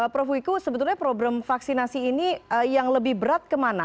prof wiku sebetulnya problem vaksinasi ini yang lebih berat kemana